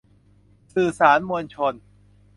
สื่อสารมวลชน